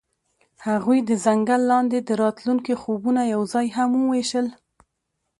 هغوی د ځنګل لاندې د راتلونکي خوبونه یوځای هم وویشل.